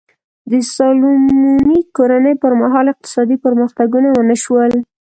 د سالومونیک کورنۍ پر مهال اقتصادي پرمختګونه ونه شول.